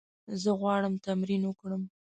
زه غواړم تمرین وکړم.